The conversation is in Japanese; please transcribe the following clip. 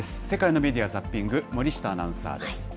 世界のメディア・ザッピング、森下アナウンサーです。